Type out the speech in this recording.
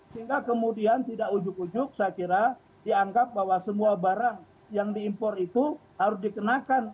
sehingga kemudian tidak ujuk ujuk saya kira dianggap bahwa semua barang yang diimpor itu harus dikenakan